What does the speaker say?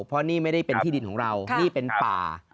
เพราะนี่ไม่ได้เป็นที่ดินของเรานี่เป็นป่า